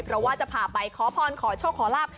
เพราะว่าจะพาไปขอพรขอโชคขอลาบ